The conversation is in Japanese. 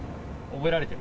覚えられている？